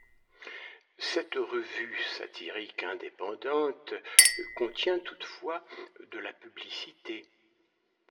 Cette revue satirique indépendante contient toutefois de la publicité.